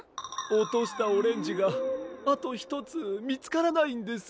おとしたオレンジがあとひとつみつからないんです。